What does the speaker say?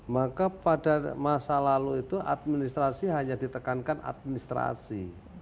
maka pada masa lalu itu administrasi hanya ditekankan administrasi